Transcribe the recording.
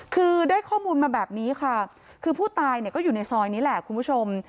คือได้ข้อมูลมาแบบนี้ค่ะคือผู้ตายเนี่ยก็อยู่ในซอยนี้แหละคุณผู้ชม